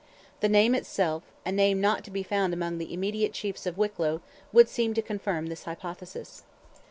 The name itself, a name not to be found among the immediate chiefs of Wicklow, would seem to confirm this hypothesis.